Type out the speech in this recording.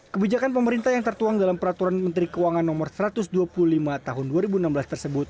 kebijakan pemerintah yang tertuang dalam peraturan menteri keuangan no satu ratus dua puluh lima tahun dua ribu enam belas tersebut